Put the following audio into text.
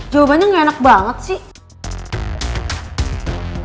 jawabannya gak enak banget sih